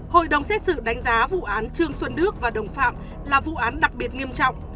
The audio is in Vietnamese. hội đồng xét xử đánh giá vụ án trương xuân đức và đồng phạm là vụ án đặc biệt nghiêm trọng